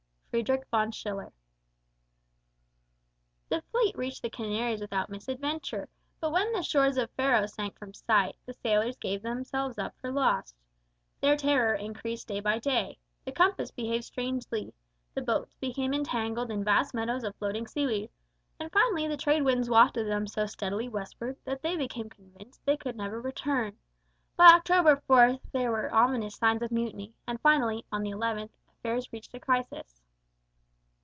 FRIEDRICH VON SCHILLER. The fleet reached the Canaries without misadventure, but when the shores of Ferro sank from sight, the sailors gave themselves up for lost. Their terror increased day by day; the compass behaved strangely, the boats became entangled in vast meadows of floating seaweed; and finally the trade winds wafted them so steadily westward that they became convinced they could never return. By October 4 there were ominous signs of mutiny, and finally, on the 11th, affairs reached a crisis.